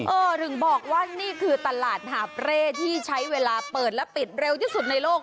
ถึงบอกว่านี่คือตลาดหาบเร่ที่ใช้เวลาเปิดและปิดเร็วที่สุดในโลก